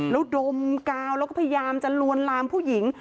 แล้วดมกาวแล้วก็พยายามจะลวนลามผู้หญิง